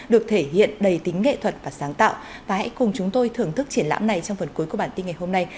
được thể hiện đầy tính nghệ thuật và sáng tạo và hãy cùng chúng tôi thưởng thức triển lãm này trong phần cuối của bản tin ngày hôm nay